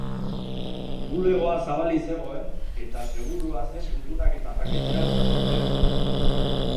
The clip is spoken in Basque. Bulegoa zabalik zegoen, eta segurua zen gutunak eta paketeak jasotzea.